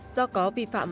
do có vị phát triển